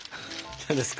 何ですか？